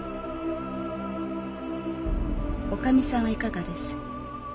女将さんはいかがです？